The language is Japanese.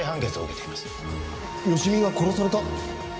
芳美が殺された！？